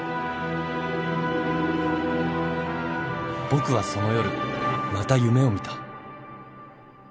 僕はその夜また夢を見た。